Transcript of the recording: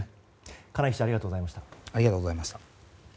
金井記者ありがとうございました。